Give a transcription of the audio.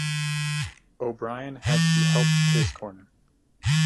O'Brien had to be helped to his corner.